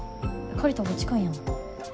借りたほうが近いやん。